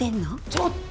ちょっと！